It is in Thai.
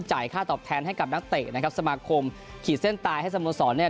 ค่าตอบแทนให้กับนักเตะนะครับสมาคมขีดเส้นตายให้สโมสรเนี่ย